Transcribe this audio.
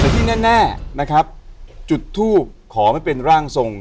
แต่ที่แน่นะครับจุดทูบขอไม่เป็นร่างทรง